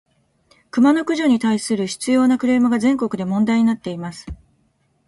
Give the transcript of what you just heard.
クマの駆除に対する執拗（しつよう）なクレームが、全国で問題になっています。